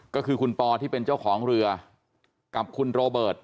ก็คือคุณปอที่เป็นเจ้าของเรือกับคุณโรเบิร์ต